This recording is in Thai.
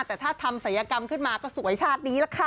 แต่ถ้าทำศัยกรรมขึ้นมาก็สวยชาตินี้ล่ะค่ะ